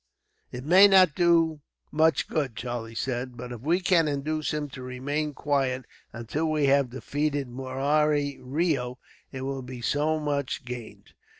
"It may not do much good," Charlie said, "but if we can induce him to remain quiet, until we have defeated Murari Reo, it will be so much gained."